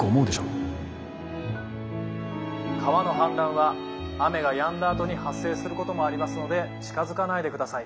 「川の氾濫は雨がやんだあとに発生することもありますので近づかないでください。